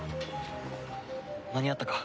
間に合ったか？